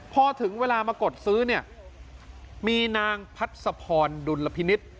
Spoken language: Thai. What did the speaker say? พอถึงเวลามากดซื้อเนี่ยมีนางพัศพรดุลพินิษฐ์